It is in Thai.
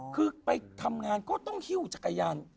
คือไปทำงานก็ต้องหิ้วจักรยาน